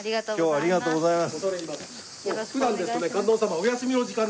ありがとうございます。